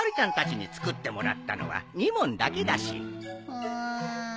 うん。